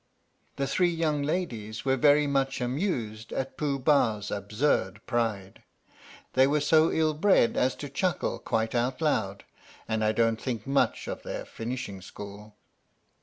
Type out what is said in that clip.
The three young ladies were very much amused at Pooh Bah's absurd pride. They were so ill bred as to chuckle quite out loud, and I don't think much of their Finishing School.